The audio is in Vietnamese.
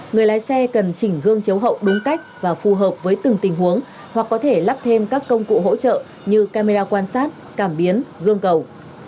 người lái xe cần chỉnh gương chếu hậu đúng cách và phù hợp với từng tình huống hoặc có thể lắp thêm các công cụ hỗ trợ như camera quan sát cảm biến gương cầu